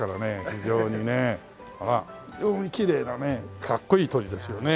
非常にきれいなねかっこいい鳥ですよね。